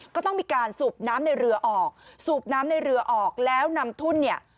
ก็ต้องมีการสูบน้ำในเรือออกสูบน้ำในเรือออกแล้วนำทุ่นเนี่ย